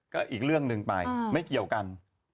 ก็อีกเรื่องหนึ่งไปไม่เกี่ยวกัน